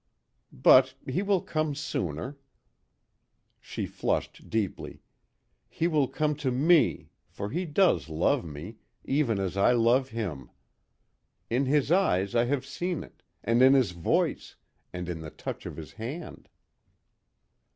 But, he will come sooner!" She flushed deeply, "He will come to me for he does love me, even as I love him. In his eyes I have seen it and in his voice and in the touch of his hand."